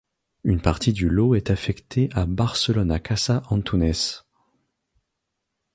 Une partie du lot est affectée à Barcelona-Casa Antunez.